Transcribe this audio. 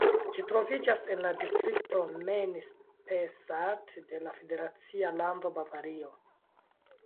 Ĝi troviĝas en la distrikto Main-Spessart de la federacia lando Bavario.